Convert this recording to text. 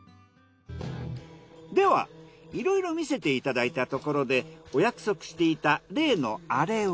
ではいろいろ見せていただいたところでお約束していた例のアレを！